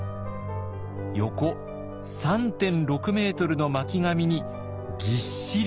横３．６ｍの巻紙にぎっしりと。